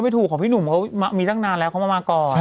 ไม่แต่แม่พูดอย่างนี้ก็ไม่ถูก